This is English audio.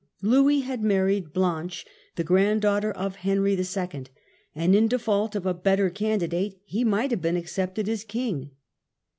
Louis had married Blanche, the granddaughter of Henry IL, and in default of a better candidate he might have been accepted as king.